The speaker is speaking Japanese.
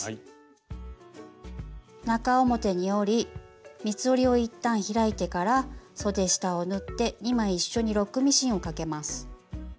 中表に折り三つ折りを一旦開いてからそで下を縫って２枚一緒にロックミシンをかけます。